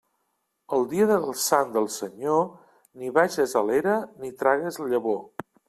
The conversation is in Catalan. El dia del sant del Senyor, ni vages a l'era ni tragues llavor.